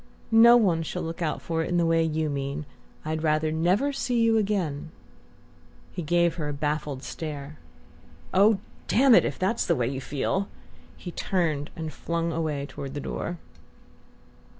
"No one shall look out for it in the way you mean. I'd rather never see you again " He gave her a baffled stare. "Oh, damn it if that's the way you feel!" He turned and flung away toward the door.